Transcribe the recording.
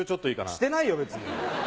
してないよ別に。